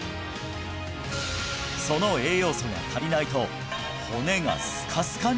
その栄養素が足りないと骨がスカスカに？